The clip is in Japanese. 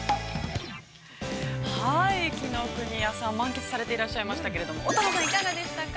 ◆紀ノ国屋さんを満喫されていらっしゃいましたけれども乙葉さん、いかがでしたか。